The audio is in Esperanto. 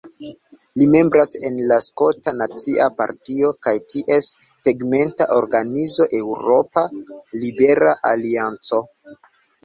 Li membras en la Skota Nacia Partio kaj ties tegmenta organizo Eŭropa Libera Alianco.